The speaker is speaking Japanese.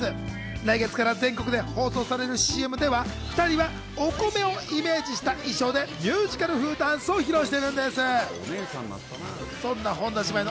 来月から全国で放送されるＣＭでは、２人はお米をイメージした衣装でミュージカル風ダンスを披露しているんです。